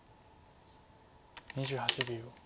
２８秒。